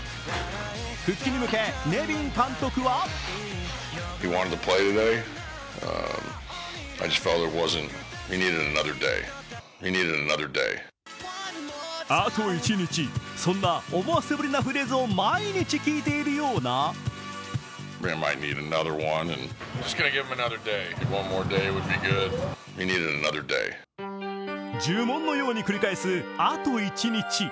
復帰に向け、ネビン監督はあと１日、そんな思わせぶりなフレーズを毎日聞いているような呪文のように繰り返す、あと１日。